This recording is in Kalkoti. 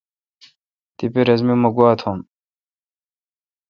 تیپہ رس می مہ گوا تھم۔